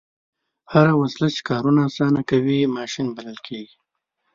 هره وسیله چې کارونه اسانه کوي ماشین بلل کیږي.